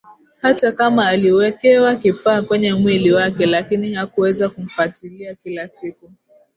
Hata kama aliwekewa kifaa kwenye mwili wake lakini hakuweza kumfatilia kila siku